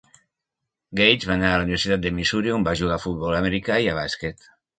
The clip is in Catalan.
Gage va anar a la Universitat de Missouri, on va jugar a futbol americà i a bàsquet.